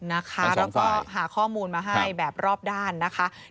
แล้วก็หาข้อมูลมาให้แบบรอบด้านนะคะ